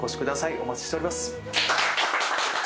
お待ちしております。